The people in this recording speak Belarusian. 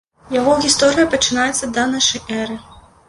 Яго гісторыя пачынаецца да нашай эры.